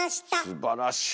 すばらしい。